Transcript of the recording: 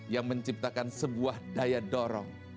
yang menciptakan sebuah robot